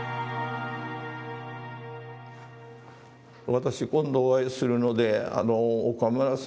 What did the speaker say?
私今度お会いするので岡村さん